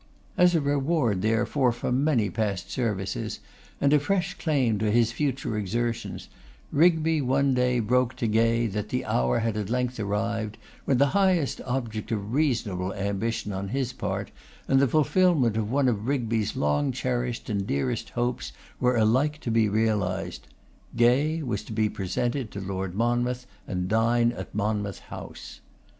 As a reward, therefore, for many past services, and a fresh claim to his future exertions, Rigby one day broke to Gay that the hour had at length arrived when the highest object of reasonable ambition on his part, and the fulfilment of one of Rigby's long cherished and dearest hopes, were alike to be realised. Gay was to be presented to Lord Monmouth and dine at Monmouth House.